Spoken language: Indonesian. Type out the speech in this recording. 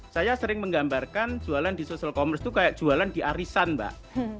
saya sering menggambarkan jualan di social commerce itu kayak jualan di arisan mbak